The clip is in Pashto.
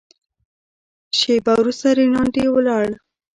شېبه وروسته رینالډي ولاړ.